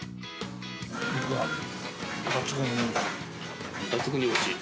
肉が抜群においしい。